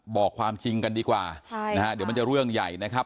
บอกความจริงกันดีกว่าใช่นะฮะเดี๋ยวมันจะเรื่องใหญ่นะครับ